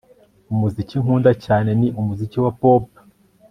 Umuziki nkunda cyane ni umuziki wa pop